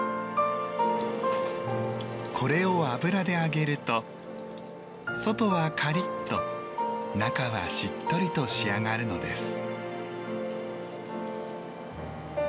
これを油で揚げると外はカリッと中はしっとりと仕上がるのです。